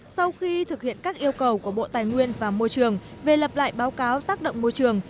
sau khi thực hiện các yêu cầu của bộ tài nguyên và môi trường về lập lại báo cáo tác động môi trường